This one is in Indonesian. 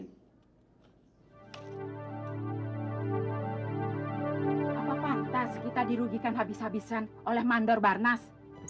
apa pantas kita dirugikan habis habisan oleh mandor barnas